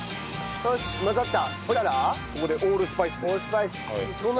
よし混ざった。